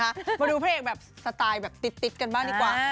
มาดูพระเอกแบบสไตล์แบบติดกันบ้างดีกว่า